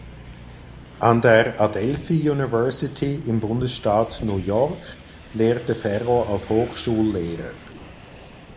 An der Adelphi University im Bundesstaat New York lehrte Ferro als Hochschullehrer.